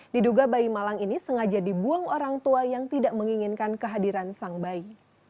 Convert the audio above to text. diduga bayi malang ini sengaja dibuang orang tua yang tidak menginginkan kehadiran sang bayi